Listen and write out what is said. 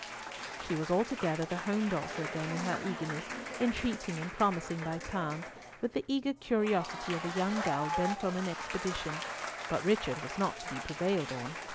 She was altogether the home daughter again in her eagerness, entreating and promising by turns with the eager curiosity of a young girl bent on an expedition, but Richard was not to be prevailed on.